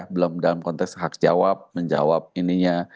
belum dalam konteks hak jawab menjawab ininya